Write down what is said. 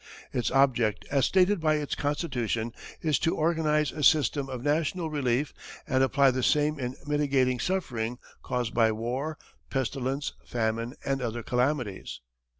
Its object as stated by its constitution is "to organize a system of national relief and apply the same in mitigating suffering caused by war, pestilence, famine and other calamities."